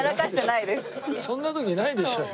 そんな時ないでしょ。